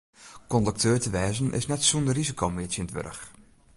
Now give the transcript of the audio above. Kondukteur te wêzen is net sûnder risiko mear tsjintwurdich.